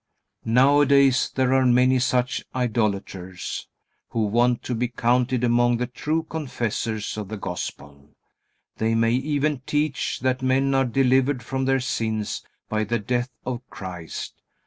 Nowadays there are many such idolaters who want to be counted among the true confessors of the Gospel. They may even teach that men are delivered from their sins by the death of Christ.